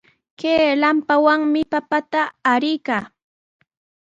Kay lampawanmi papata uryanki.